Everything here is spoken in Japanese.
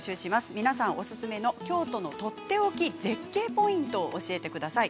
皆さんおすすめの京都のとっておき絶景ポイントを教えてください。